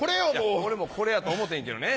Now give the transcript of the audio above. いや俺もこれやと思うてんけどね。